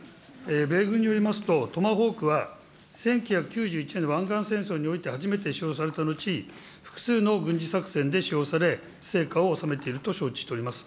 米軍によりますと、トマホークは、１９９１年の湾岸戦争において初めて使用されたのちに、複数の軍事作戦で使用され、成果を収めていると承知しております。